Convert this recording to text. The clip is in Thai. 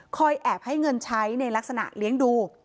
แอบให้เงินใช้ในลักษณะเลี้ยงดู